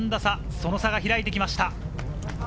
その差が開いてきました。